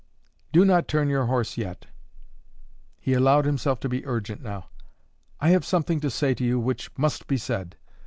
"Do not turn your horse yet." He allowed himself to be urgent now. "I have something to say to you which must be said.